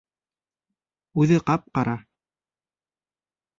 Үҙе ҡап-ҡара...